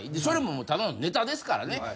それもただのネタですからね。